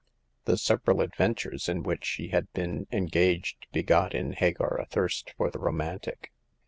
The several adventiujaj ih which she had been engaged begot in Hagar a^Hiirst for the romantic.